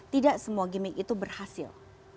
tidak semua gimmick itu berhasil